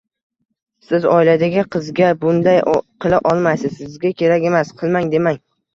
Siz oiladagi qizga bunday qila olmaysiz, sizga kerak emas, qilmang, demang